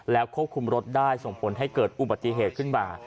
แล้วควบคุมรถได้ส่งผลให้เกิดอุบัติเหตุขึ้นมา